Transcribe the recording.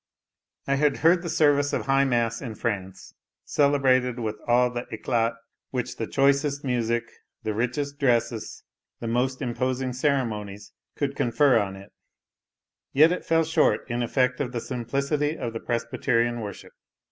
I had heard the service of high mass in France, celebrated with all the e'clat which the choicest music, the richest dresses, the most imposing ceremonies, could confer on it; yet it fell short in effect of the simplicity of the Presbyterian worship.